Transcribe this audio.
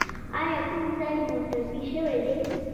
ایا کوم ځای مو ټپي شوی دی؟